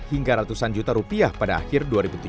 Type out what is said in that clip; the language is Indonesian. hingga ratusan juta rupiah pada akhir dua ribu tujuh belas